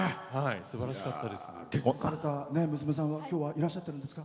すばらしかったです。